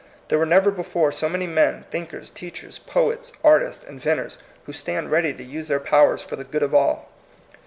There were never before so many men, thinkers, teachers, poets, artists, inventors, who stand ready to use their powers for the good of all.